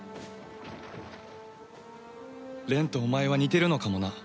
蓮とお前は似てるのかもな。